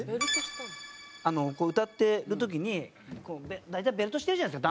こう歌ってる時に大体ベルトしてるじゃないですか男性って。